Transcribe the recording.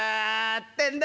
ってんだ